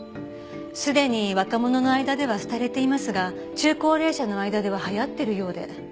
すでに若者の間では廃れていますが中高齢者の間では流行ってるようで。